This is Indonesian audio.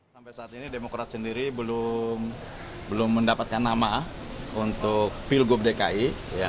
sampai saat ini demokrat sendiri belum mendapatkan nama untuk pilgub dki